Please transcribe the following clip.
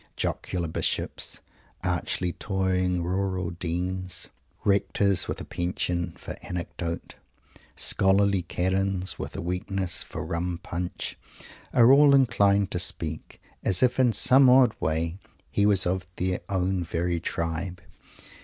Jocular Bishops, archly toying Rural Deans, Rectors with a "penchant" for anecdote, scholarly Canons with a weakness for Rum Punch, are all inclined to speak as if in some odd way he was of their own very tribe.